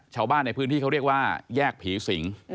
ชาวบ้านในพื้นที่เขาเรียกว่าแยกผีสิง